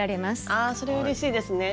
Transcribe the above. あそれうれしいですね。